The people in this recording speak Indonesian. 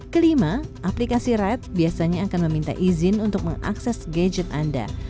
kelima aplikasi red biasanya akan meminta izin untuk mengakses gadget anda